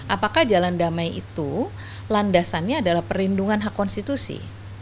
apakah jalan damai itu landasannya adalah perlindungan hak konstitusi